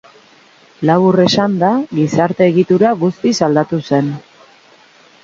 Labur esanda, gizarte-egitura guztiz aldatu zen.